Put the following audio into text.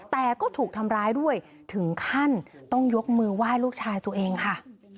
แต่ก็ถูกทำร้ายด้วยถึงขั้นต้องยกมือไหว้ลูกชายตัวเองค่ะ